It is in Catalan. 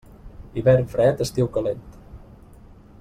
Hivern fred, estiu calent.